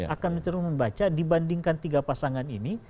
akan terus membaca dibandingkan tiga pasangan ini